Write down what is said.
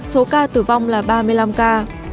số ca tử vong là ba mươi năm ca